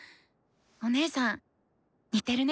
お姉さん似てるね！